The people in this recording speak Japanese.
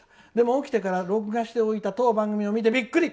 起きてから録画しておいた当番組を見てびっくり！